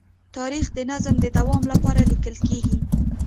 تاریخ د نظم د دوام لپاره لیکل کېږي.